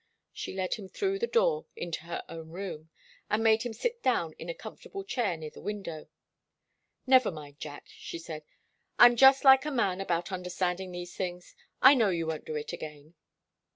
She led him through the door into her own room, and made him sit down in a comfortable chair near the window. "Never mind, Jack," she said, "I'm just like a man about understanding things. I know you won't do it again."